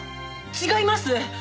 違います！